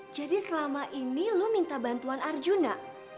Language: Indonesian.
jadi selama ini lo minta bantuan arjuna